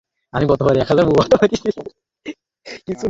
আপনি আজ বাড়ি যেতে পারবেন।